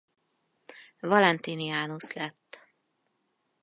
Valentinianus lett.